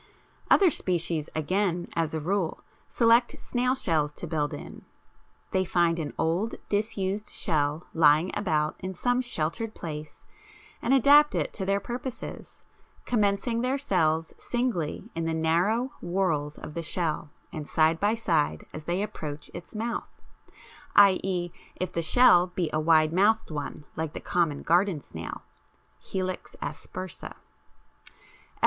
Other species again, as a rule, select snail shells to build in; they find an old disused shell lying about in some sheltered place and adapt it to their purposes, commencing their cells singly in the narrow whorls of the shell and side by side as they approach its mouth, i.e. if the shell be a wide mouthed one like the common garden snail (Helix aspersa). F.